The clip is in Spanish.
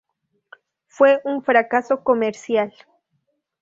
Fue un fracaso comercial.